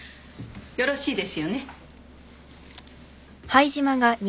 よろしいですよね？